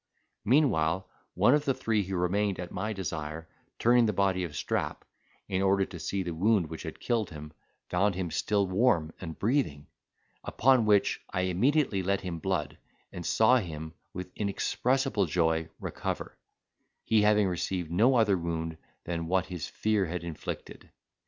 Meanwhile one of the three who remained at my desire, turning the body of Strap, in order to see the wound which had killed him, found him still warm and breathing: upon which, I immediately let him blood, and saw him, with inexpressible joy, recover; he having received no other wound than what his fear had inflicted.